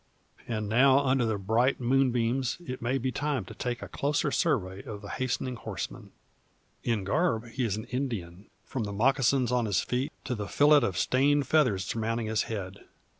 And now under the bright moonbeams it may be time to take a closer survey of the hastening horseman. In garb he is Indian, from the mocassins on his feet to the fillet of stained feathers surmounting his head.